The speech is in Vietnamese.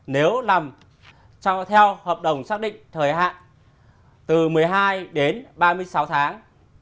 nếu làm cho theo hợp đồng xác định thời hạn từ một mươi hai đến ba mươi sáu tháng